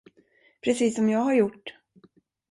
Precis som jag har gjort.